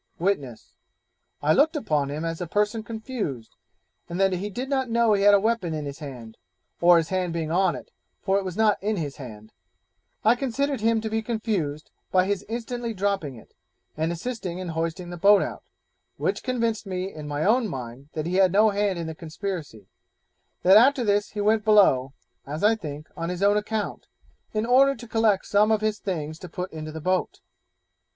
Witness 'I looked upon him as a person confused, and that he did not know he had the weapon in his hand, or his hand being on it, for it was not in his hand; I considered him to be confused, by his instantly dropping it, and assisting in hoisting the boat out, which convinced me in my own mind that he had no hand in the conspiracy; that after this he went below, as I think, on his own account, in order to collect some of his things to put into the boat.'